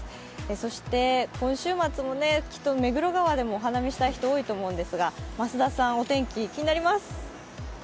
そして、今週末もねきっと目黒川でもお花見したい人多いと思いますが増田さん、お天気気になります。